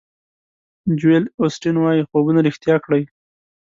جویل اوسټین وایي خوبونه ریښتیا کړئ.